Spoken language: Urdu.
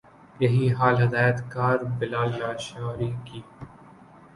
یہی حال ہدایت کار بلال لاشاری کی